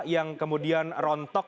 yang kemudian rontok